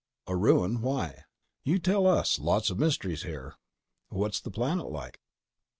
"A ruin? Why?" "You tell us. Lots of mysteries here." "What's the planet like?"